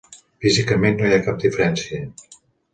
Físicament no hi ha cap diferència.